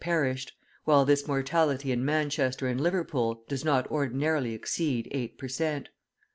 perished, while this mortality in Manchester and Liverpool does not ordinarily exceed eight per cent.